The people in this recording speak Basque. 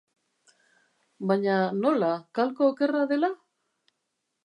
Baina nola, kalko okerra dela?